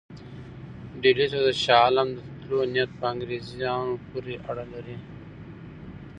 ډهلي ته د شاه عالم د تللو نیت په انګرېزانو پورې اړه لري.